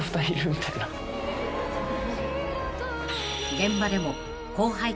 ［現場でも］